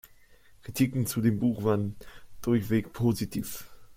Kritiken zu dem Buch waren durchweg positiv.